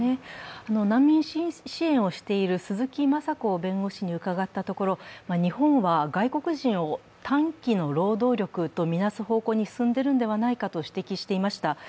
難民支援をしている鈴木雅子弁護士に伺ったところ、日本は外国人を短期の労働力と見なす方向に進んでいるのではないかと指摘していました。